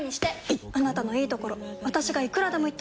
いっあなたのいいところ私がいくらでも言ってあげる！